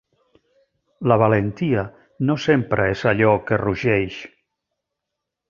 La valentia no sempre és allò que rugeix.